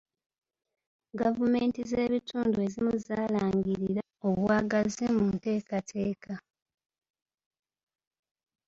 Gavumenti z'ebitundu ezimu zaalangirira obwagazi mu nteekateeka.